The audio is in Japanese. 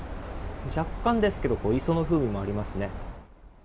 若干ですけど磯の風味もありますね。